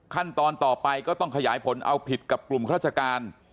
ขั้นตอนต่อไปก็ต้องขยายผลเอาผิดกับกลุ่มราชการ